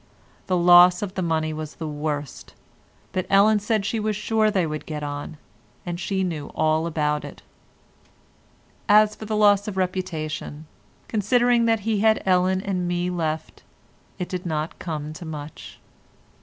The loss of the money was the worst, but Ellen said she was sure they would get on, and she knew all about it. As for the loss of reputation—considering that he had Ellen and me left, it did not come to much.